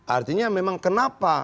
artinya memang kenapa